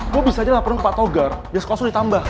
lo bisa aja laporan ke pak togar biar skosur ditambah